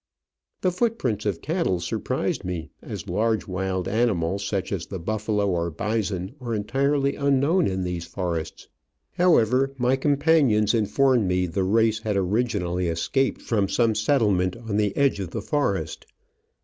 The footprints of cattle surprised me, as large wild animals such as the buflalo or bison are entirely unknown in these forests. However, my companions informed me the race had originally escaped from some settlement on the edge of the forest.